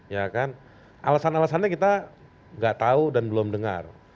ya kan alasan alasannya kita nggak tahu dan belum dengar